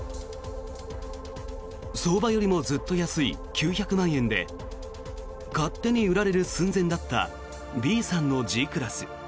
相場よりもずっと安い９００万円で勝手に売られる寸前だったＢさんのＧクラス。